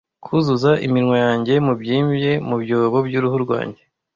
Kuzuza iminwa yanjye, mubyimbye mu byobo by'uruhu rwanjye,